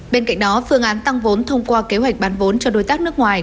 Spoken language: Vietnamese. bên cạnh đó phương án tăng vốn thông qua kế hoạch bán vốn cho đối tác nước ngoài